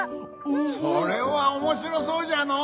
それはおもしろそうじゃのう！